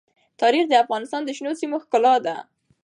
تاریخ د افغانستان د شنو سیمو ښکلا ده.